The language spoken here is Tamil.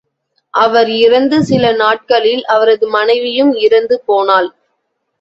அவர் இறந்து சில நாட்களில் அவரது மனைவியும் இறந்து போனாள்.